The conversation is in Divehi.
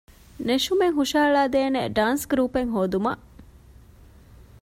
ނެށުމެއް ހުށަހަޅައިދޭނެ ޑާންސް ގްރޫޕެއް ހޯދުމަށް